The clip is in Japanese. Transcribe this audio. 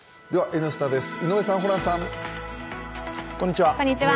「Ｎスタ」です、井上さん、ホランさん。